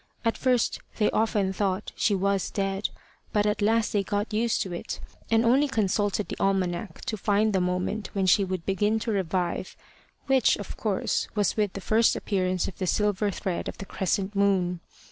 At first they often thought she was dead, but at last they got used to it, and only consulted the almanac to find the moment when she would begin to revive, which, of course, was with the first appearance of the silver thread of the crescent moon.